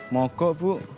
mau kok bu